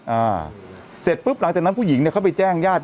อ่าเสร็จปุ๊บหลังจากนั้นผู้หญิงเนี่ยเขาไปแจ้งญาติ